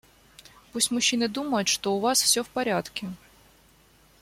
Пусть мужчины думают, что у Вас все в порядке.